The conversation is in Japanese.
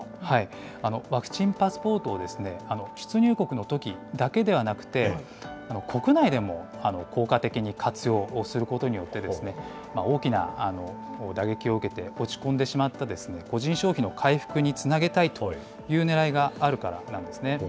ワクチンパスポートを出入国のときだけではなくて、国内でも効果的に活用をすることによって、大きな打撃を受けて落ち込んでしまった、個人消費の回復につなげたいというねらいがあるからなんですね。